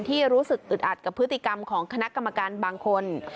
ที่รู้สึกอึดอัดกับพฤติกรรมของคณะกรรมการบางคน